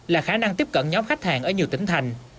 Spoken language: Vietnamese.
là khả năng tiếp cận nhóm khách hàng ở nhiều tỉnh thành